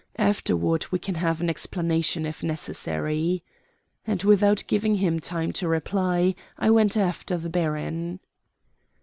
Afterward we can have an explanation if necessary," and without giving him time to reply I went after the baron.